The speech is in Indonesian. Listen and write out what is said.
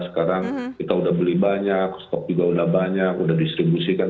sekarang kita udah beli banyak stok juga udah banyak udah distribusikan